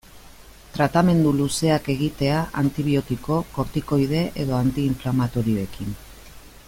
Tratamendu luzeak egitea antibiotiko, kortikoide edo anti-inflamatorioekin.